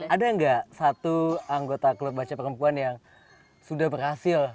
ada nggak satu anggota klub baca perempuan yang sudah berhasil